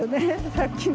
さっきの。